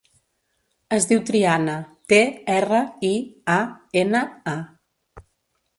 Es diu Triana: te, erra, i, a, ena, a.